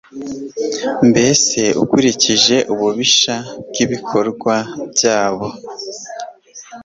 mbese ukurikije ububisha bw’ibikorwa byabo